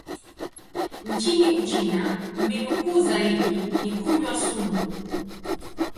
Nchini Uchina, mbinu kuu zaidi ni kunywa sumu.